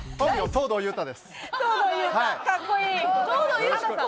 藤堂雄太さん？